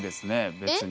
別に。